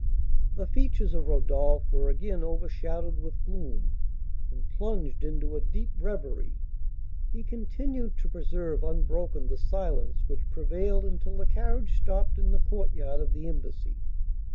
The features of Rodolph were again overshadowed with gloom, and, plunged in deep reverie, he continued to preserve unbroken the silence which prevailed until the carriage stopped in the courtyard of the embassy.